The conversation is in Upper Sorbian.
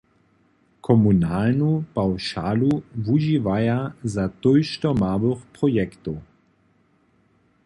Komunalnu pawšalu wužiwaja za tójšto małych projektow.